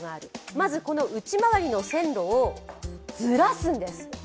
まずこの内回りの線路をずらすんです。